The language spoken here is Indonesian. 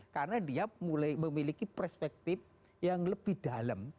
karena dia memiliki perspektif yang lebih dalam